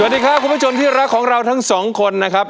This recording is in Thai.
สวัสดีครับคุณผู้ชมที่รักของเราทั้งสองคนนะครับ